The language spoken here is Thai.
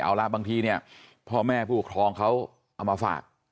เอาล่ะบางทีเนี่ยพ่อแม่ผู้ปกครองเขาเอามาฝาก